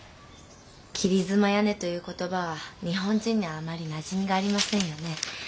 切り妻屋根という言葉は日本人にはあまりなじみがありませんよね。